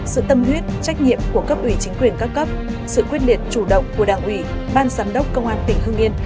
sự tâm huyết trách nhiệm của cấp ủy chính quyền các cấp sự quyết liệt chủ động của đảng ủy ban giám đốc công an tỉnh hưng yên